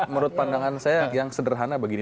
menurut pandangan saya yang sederhana begini